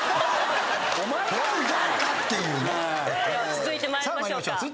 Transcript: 続いて参りましょうか。